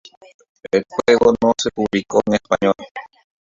El juego no se publicó en español.